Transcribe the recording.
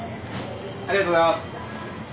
ありがとうございます。